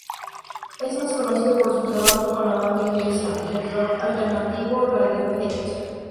Es más conocido por su trabajo con la banda inglesa de rock alternativo Radiohead.